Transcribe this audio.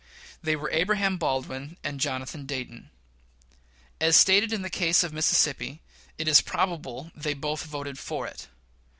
They were Abraham Baldwin and Jonathan Dayton. As stated in the case of Mississippi, it is probable they both voted for it.